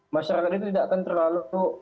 masyarakat itu tidak akan terlalu